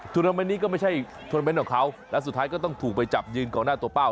ธุรมันนี้ก็ไม่ใช่ธุรมันของเขาและสุดท้ายก็ต้องถูกไปจับยืนกล่องหน้าตัวเป้า